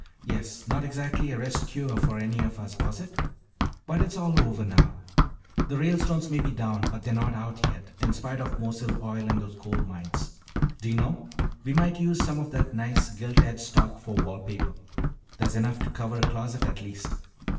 Yes, not exactly a rest cure for any of us, was it? But it's all over now. The Ralestones may be down but they're not out, yet, in spite of Mosile Oil and those coal mines. D'you know, we might use some of that nice gilt edged stock for wall paper. There's enough to cover a closet at least.